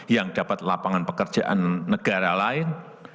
yang dapat lapangan pekerjaan negara lain